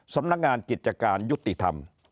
สำนักงานกิจการยุติธรรม